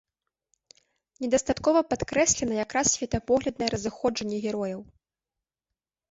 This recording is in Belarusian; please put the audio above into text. Недастаткова падкрэслена якраз светапогляднае разыходжанне герояў.